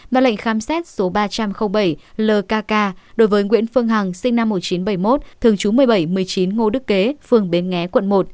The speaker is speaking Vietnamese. và lệnh khám xét số ba trăm linh bảy lkk đối với nguyễn phương hằng sinh năm một nghìn chín trăm bảy mươi một thường trú một mươi bảy một mươi chín ngô đức kế phường bến nghé quận một